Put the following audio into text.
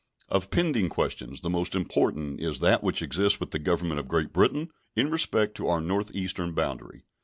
Of pending questions the most important is that which exists with the Government of Great Britain in respect to our northeastern boundary.